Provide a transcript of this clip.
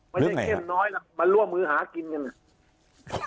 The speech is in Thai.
ไม่ใช่เข้มน้อยมันร่วมมือหากินกัน